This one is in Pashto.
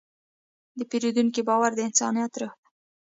د پیرودونکي باور د انسانیت روح دی.